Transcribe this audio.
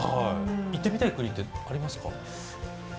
行ってみたい国ってありますか？